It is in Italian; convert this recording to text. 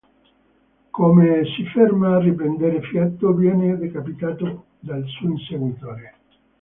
Come si ferma a riprendere fiato, viene decapitato dal suo inseguitore.